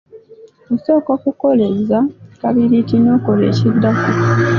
Osooka kukoleeza kabiriiti n'okola ekiddako.